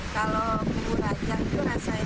kalau bumbu rajang itu rasanya enak